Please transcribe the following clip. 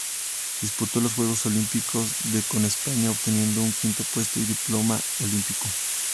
Disputó los Juegos Olímpicos de con España, obteniendo un quinto puesto y diploma olímpico.